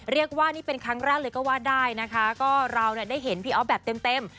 เรียกว่านี่เป็นครั้งแรกเลยก็ว่าได้นะคะก็เราเนี่ยได้เห็นพี่อ๊อฟแบบเต็มเต็ม